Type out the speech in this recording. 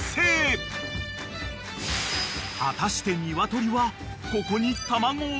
［果たして鶏はここに］いいよ。